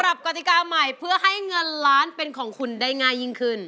กติกาใหม่เพื่อให้เงินล้านเป็นของคุณได้ง่ายยิ่งขึ้น